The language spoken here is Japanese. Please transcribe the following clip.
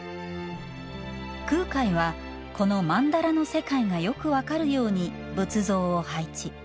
空海は、この曼荼羅の世界がよく分かるように仏像を配置。